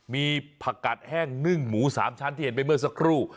มีผักกัดแห้งนึ่งหมู๓ชั้นที่เห็นไปเมื่อสักครู่